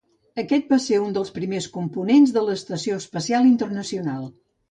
Aquest va ser un dels primers components de l'Estació Espacial Internacional.